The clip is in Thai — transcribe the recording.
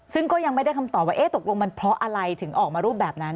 ซึ่งก็ยังไม่ได้คำตอบว่าตกลงมันเพราะอะไรถึงออกมารูปแบบนั้น